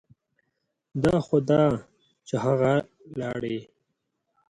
دا خو ده چې هغه لاړې.